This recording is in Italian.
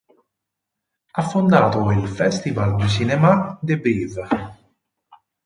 Ha fondato il Festival du cinéma de Brive.